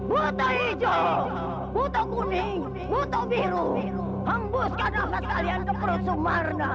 bota ijo bota kuning bota biru hembuskan nafas kalian ke perut sumarna